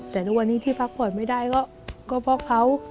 แต่ทุกวันนี้ที่พักผ่อนไม่ได้ก็เพราะเขา